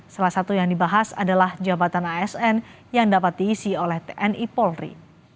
salah satu yang dibahas adalah jabatan asn yang dapat diisi oleh tni polri